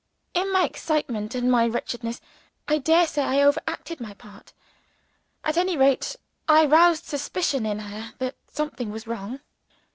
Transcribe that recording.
In my excitement and my wretchedness, I daresay I over acted my part. At any rate, I roused the suspicion in her that something was wrong.